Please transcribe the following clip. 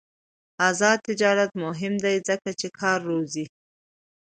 آزاد تجارت مهم دی ځکه چې کار روزي.